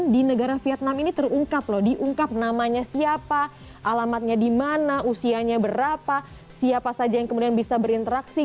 di negara vietnam ini terungkap loh diungkap namanya siapa alamatnya di mana usianya berapa siapa saja yang kemudian bisa berinteraksi